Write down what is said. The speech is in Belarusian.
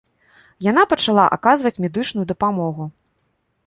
Яна пачала аказваць медычную дапамогу.